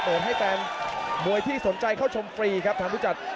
ให้แฟนมวยที่สนใจเข้าชมฟรีครับทางผู้จัด